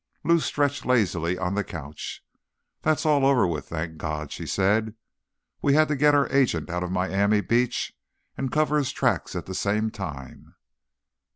Lou stretched lazily on the couch. "That's all over with, thank God," she said. "We had to get our agent out of Miami Beach, and cover his tracks at the same time."